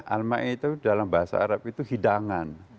al maida itu dalam bahasa arab itu hidangan